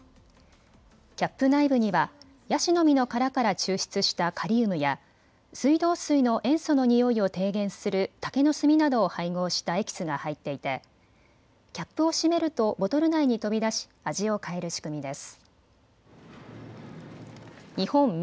キャップ内部にはやしの実の殻から抽出したカリウムや水道水の塩素の臭いを低減する竹の炭などを配合したエキスが入っていてキャップを閉めるとボトル内に飛び出し、味を変える仕組みです。